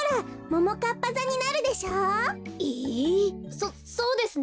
そそうですね。